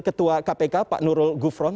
ketua kpk pak nurul gufron